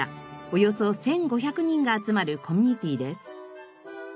およそ１５００人が集まるコミュニティです。